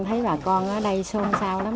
thấy bà con ở đây sôn sao lắm